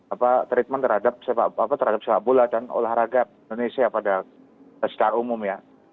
ini adalah kompetitif terhadap sepak bola dan olahraga indonesia pada sekitar umum ya